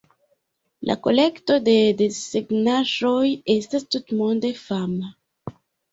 La kolekto de desegnaĵoj estas tutmonde fama.